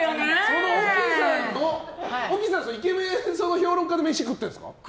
沖さん、イケメン評論家で飯を食ってるんですか？